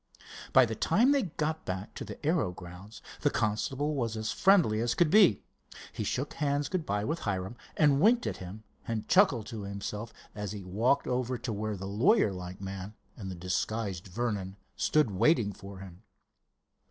By the time they got back to the aero grounds the constable was as friendly as could be. He shook hands good bye with Hiram, and winked at him and chuckled to himself as he walked over to where the lawyer like man and the disguised Vernon stood waiting for him.